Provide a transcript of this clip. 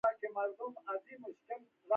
بریا د باور د ثبوت نښه ده.